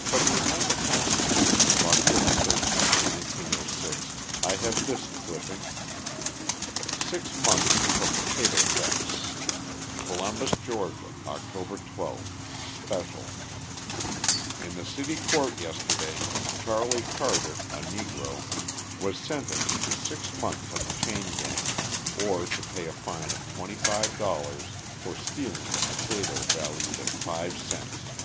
From the Atlanta Constitution of October 13, 1906, I have this clipping: SIX MONTHS FOR POTATO THEFT COLUMBUS, GA., October 12 (Special) In the city court yesterday Charley Carter, a Negro, was sentenced to six months on the chain gang or to pay a fine of $25 for stealing a potato valued at 5 cents.